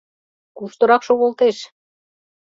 — Куштырак шогылтеш?